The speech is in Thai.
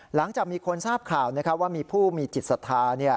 หลังจากมีคนทราบข่าวว่ามีผู้มีจิตศรัทธา